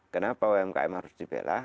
kenapa umkm harus dibela